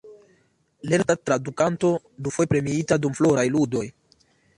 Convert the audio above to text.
Lerta tradukanto, dufoje premiita dum Floraj Ludoj.